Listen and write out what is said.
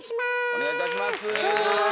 お願いいたします。